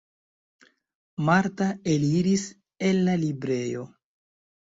Marta eliris el la librejo.